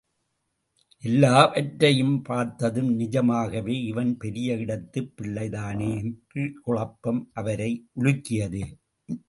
எல்லாவற்றையும் பார்த்ததும், நிஜமாகவே இவன் பெரிய இடத்துப் பிள்ளைதானோ? என்ற குழப்பம் அவரை உலுக்கியது.